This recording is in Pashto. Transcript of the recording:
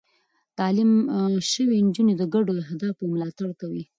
تعليم شوې نجونې د ګډو اهدافو ملاتړ کوي.